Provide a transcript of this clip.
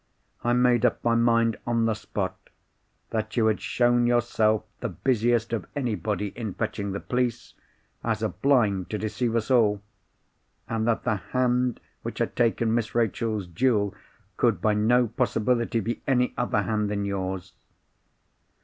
I made up my mind, on the spot, that you had shown yourself the busiest of anybody in fetching the police, as a blind to deceive us all; and that the hand which had taken Miss Rachel's jewel could by no possibility be any other hand than yours.